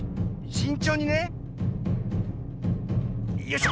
しんちょうにね。よいしょ。